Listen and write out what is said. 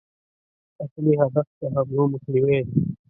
اصلي هدف د حملو مخنیوی دی.